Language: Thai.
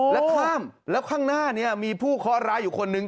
แล้วข้ามแล้วข้างหน้านี้มีผู้เคาะร้ายอยู่คนนึง